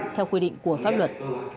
theo quy định của pháp luật